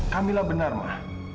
kak mila benar ma